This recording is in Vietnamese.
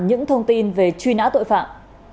những thông tin về truy nã tội phạm